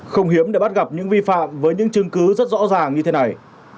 không hiếm để bắt gặp những vi phạm với những chứng cứ rất rõ ràng như thế này